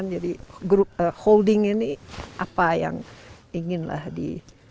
jadi holding ini apa yang inginlah di